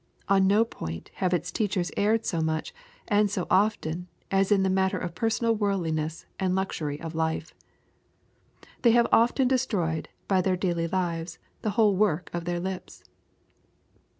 On no point have its teachers erred so much, and so often, as in the matter of personal worldliness and luxury of life. They have often destroyed, by their daily lives, the whole work of their lips.